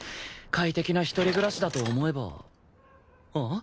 快適な一人暮らしだと思えばえっ？